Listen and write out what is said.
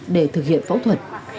để thực hiện phẫu thuật